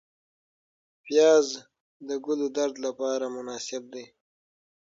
پیاز د ګلودرد لپاره مناسب دی